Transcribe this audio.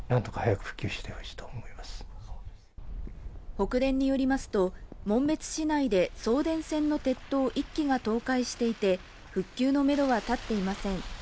北電によりますと、紋別市内で送電線の鉄塔１基が倒壊していて復旧のめどは立っていません。